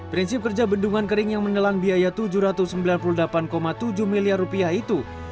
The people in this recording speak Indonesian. prinsip kerja bendungan kering yang menelan biaya tujuh ratus sembilan puluh delapan tujuh miliar rupiah itu